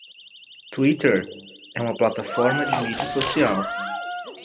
Twitter é uma plataforma de mídia social.